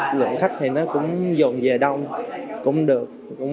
lượng khách cũng dồn về đông cũng được